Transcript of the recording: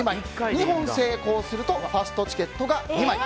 ２本成功するとファストチケットが２枚。